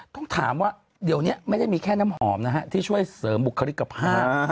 ต้องถามว่าเดี๋ยวนี้ไม่ได้มีแค่น้ำหอมนะฮะที่ช่วยเสริมบุคลิกภาพ